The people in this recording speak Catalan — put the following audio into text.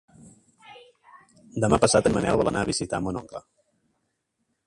Demà passat en Manel vol anar a visitar mon oncle.